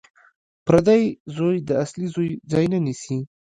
پردی زوی د اصلي زوی ځای نه نیسي